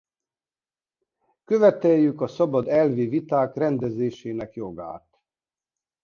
Követeljük a szabad elvi viták rendezésének jogát.